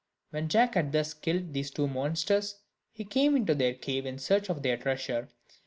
When Jack had thus killed these two monsters, he went into their cave in search of their treasure.